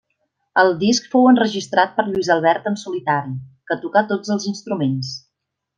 El disc fou enregistrat per Lluís Albert en solitari, que tocà tots els instruments.